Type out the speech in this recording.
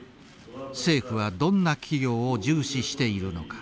政府はどんな企業を重視しているのか。